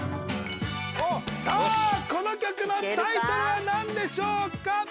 さあこの曲のタイトルはなんでしょうか？